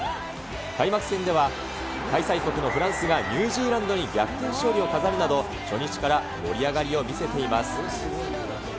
開幕戦では、開催国のフランスがニュージーランドに逆転勝利を飾るなど、初日から盛り上がりを見せています。